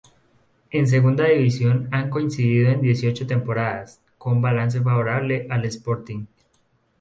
En Segunda División han coincidido en dieciocho temporadas, con balance favorable al Sporting.